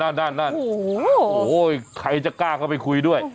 นั่นโอ้โหใครจะกล้าเข้าไปคุยด้วย